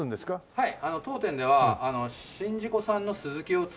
はい。